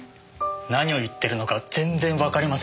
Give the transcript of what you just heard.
何を言ってるのか全然わかりませんけど。